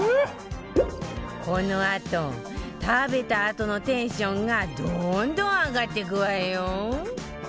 このあと食べたあとのテンションがどんどん上がってくわよ！